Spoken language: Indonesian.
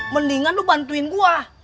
mendingan lo bantuin gue